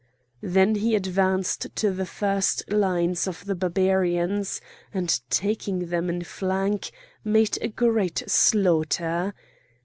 Then he advanced to the first lines of the Barbarians, and taking them in flank, made a great slaughter.